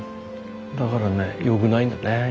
だからねよくないんだね。